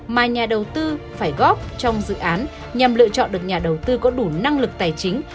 mà nhà đầu tư phải góp trong dự án nhằm lựa chọn được nhà đầu tư có đủ năng lực tài chính